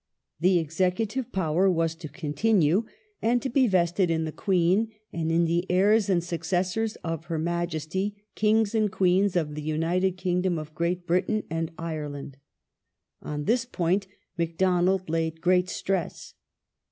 The executive power was to continue and be vested in the The Ex Queen, and in the heirs and successors of Her Majesty, Kings and Queens of the United Kingdom of Great Britain and Ireland ". On this point Macdonald laid gi'eat stress.